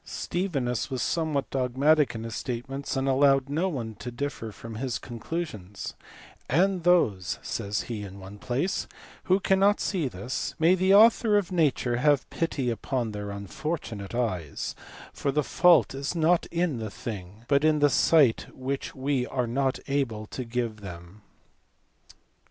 Stevinus was somewhat dogmatic in his statements, and allowed no one to differ from his conclusions, "and those," says he, in one place, " who cannot see this, may the Author of nature have pity upon their unfortunate eyes, for the fault is not in the thing, but in the sight which we are not able to give them."